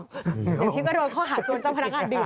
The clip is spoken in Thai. อย่างที่ก็โดนข้อหาชวนเจ้าพนักงานดื่ม